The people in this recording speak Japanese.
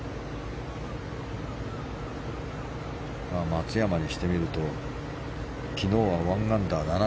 松山にしてみると昨日は１アンダー、７１。